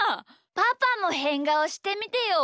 パパもへんがおしてみてよ。